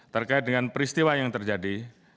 terkait dengan peristiwa yang terjadi